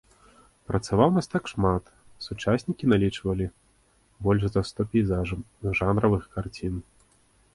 Працаваў мастак шмат, сучаснікі налічвалі больш за сто пейзажаў і жанравых карцін.